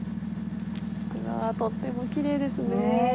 うわとってもキレイですね。